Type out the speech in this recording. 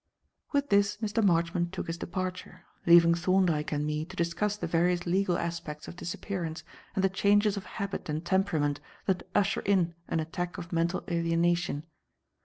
With this Mr. Marchmont took his departure, leaving Thorndyke and me to discuss the various legal aspects of disappearance and the changes of habit and temperament that usher in an attack of mental alienation.